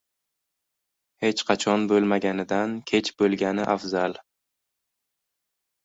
• Hech qachon bo‘lmaganidan kech bo‘lgani afzal.